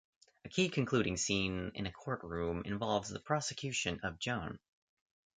A key concluding scene in a courtroom involves the prosecution of Joan.